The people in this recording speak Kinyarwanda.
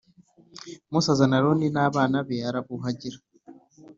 Mose azana Aroni n abana be arabuhagira